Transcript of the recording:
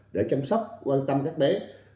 để chăm sóc quan tâm các bé